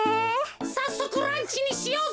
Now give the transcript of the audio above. さっそくランチにしようぜ！